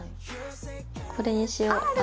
これにしようＲ。